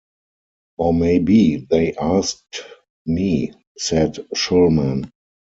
Or maybe they asked me, said Shulman.